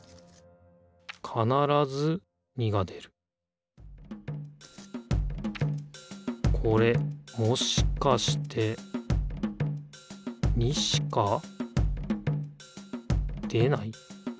かならず２が出るこれもしかして２しか出ない？